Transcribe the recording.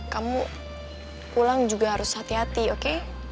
kamu pulang juga harus hati hati oke